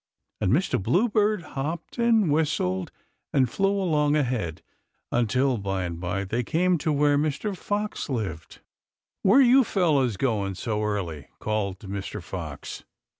And Mr. Bluebird hopped and whistled and flew along ahead, until, by and by, they came to where Mr. Fox lived. "Where are you fellows going, so early?" called Mr. Fox.